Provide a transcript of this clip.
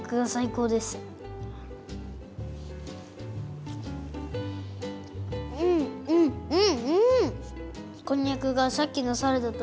うんうん！